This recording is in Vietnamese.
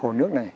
hồ nước này